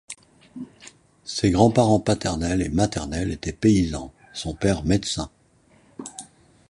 Ses grands-parents paternels et maternels étaient paysans, son père médecin.